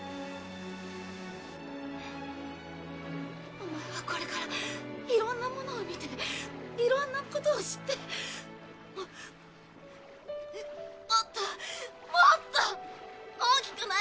お前はこれからいろんなものを見ていろんなことを知ってもっと、もっと！大きくなるんだよ！